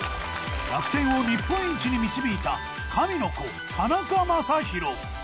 楽天を日本一に導いた神の子田中将大。